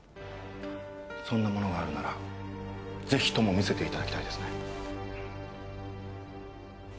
そんなものがあるならぜひとも見せていただきたいですね。